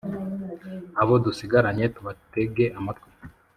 Abo dusigaranye tubatege amatwi